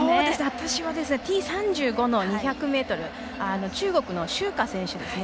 私はＴ３５の２００ｍ中国の周霞選手ですね。